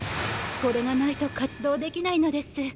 これがないと活動できないのです。